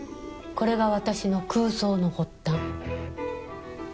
これが私の空想の発端。